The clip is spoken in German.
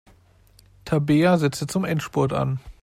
Tabea setzte zum Endspurt an.